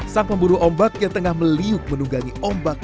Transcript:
sang pemburu ombak yang tengah meliuk menunggangi ombak